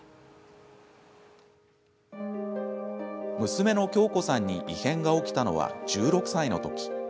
娘の恭子さんに異変が起きたのは１６歳の時。